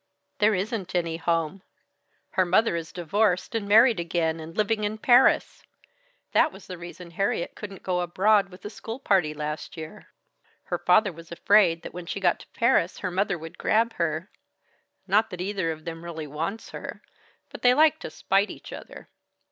"There isn't any home. Her mother is divorced, and married again, and living in Paris. That was the reason Harriet couldn't go abroad with the school party last year. Her father was afraid that when she got to Paris, her mother would grab her not that either of them really wants her, but they like to spite each other."